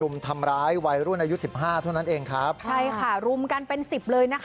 รุมทำร้ายวัยรุ่นอายุสิบห้าเท่านั้นเองครับใช่ค่ะรุมกันเป็นสิบเลยนะคะ